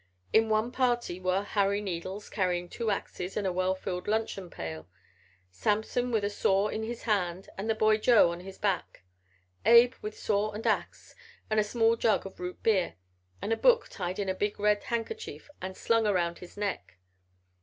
In one party were Harry Needles carrying two axes and a well filled luncheon pail; Samson with a saw in his hand and the boy Joe on his back; Abe with saw and ax and a small jug of root beer and a book tied in a big red handkerchief and slung around his neck.